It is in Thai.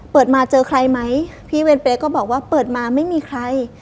เปิดมาเจอใครไหมพี่เวรเปรย์ก็บอกว่าเปิดมาไม่มีใคร